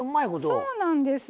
そうなんです。